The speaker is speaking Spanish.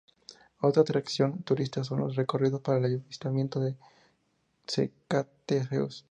Otra atracción turística son los recorridos para el Avistamiento de cetáceos.